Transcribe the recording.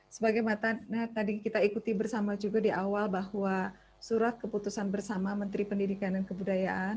sebagai mata tadi kita ikuti bersama juga di awal bahwa surat keputusan bersama menteri pendidikan dan kebudayaan